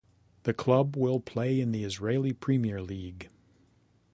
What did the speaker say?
The club will play in the Israeli Premier League.